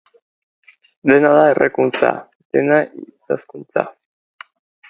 Dena da errekuntza, dena idazkuntza.